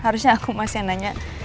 harusnya aku masih nanya